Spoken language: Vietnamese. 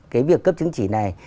cái việc cấp chứng chỉ này